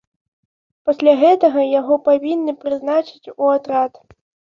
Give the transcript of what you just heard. Пасля гэтага яго павінны прызначыць у атрад.